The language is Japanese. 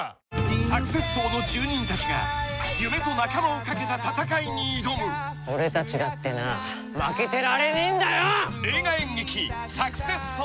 サクセス荘の住人たちが夢と仲間をかけた戦いに挑む俺たちだってな負けてられねえんだよ！